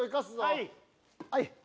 はい！